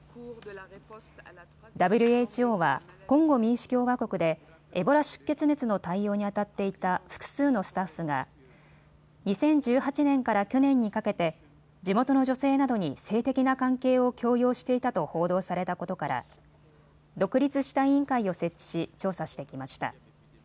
ＷＨＯはコンゴ民主共和国でエボラ出血熱の対応にあたっていた複数のスタッフが２０１８年から去年にかけて地元の女性などに性的な関係を強要していたと報道されたことから独立した委員会を設置し調査してきました。